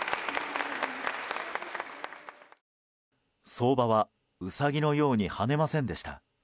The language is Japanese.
相場はウサギのように跳ねませんでした。